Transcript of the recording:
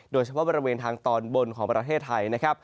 โดยเฉพาะบริเวณทางตอนบนของประเทศไทยนะครับ